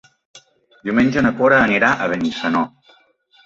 Diumenge na Cora anirà a Benissanó.